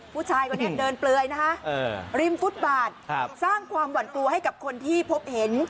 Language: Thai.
ผู้ชายคนนี้เดินเปลือยนะฮะริมฟุตบาทสร้างความหวั่นกลัวให้กับคนที่พบเห็น